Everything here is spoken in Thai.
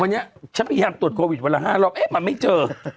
วันนี้ฉันพยายามตรวจโควิดวันละ๕รอบเอ๊ะมันไม่เจอ